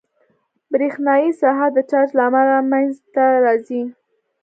برېښنایي ساحه د چارج له امله منځته راځي.